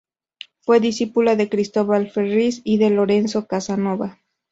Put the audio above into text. Fue discípula de Cristóbal Ferriz y de Lorenzo Casanova.